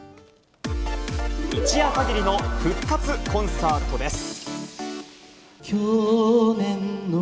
一夜限りの復活コンサートです。